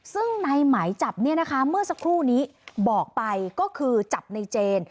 ซึ่งในหมายจับเนี่ยนะคะเมื่อสักครู่นี้บอกไปก็คือจับในเจน